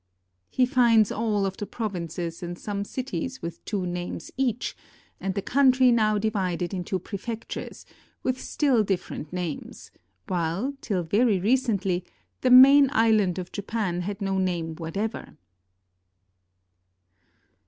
He finds all of the provinces and some cities with two names each, and the coimtry now divided into prefec tures, with still different names; while, till very recently, the main island of Japan had no name whatever!